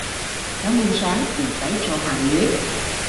有夢想唔使做鹹魚